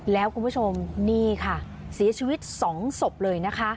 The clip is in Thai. แล้วคุณผู้ชมนี่ค่ะเสียชีวิต๒ศพเลยนะคะ